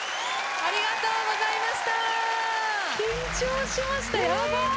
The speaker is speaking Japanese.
ありがとうございます。